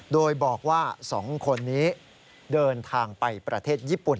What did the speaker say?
โดยบอกว่า๒คนนี้เดินทางไปประเทศญี่ปุ่น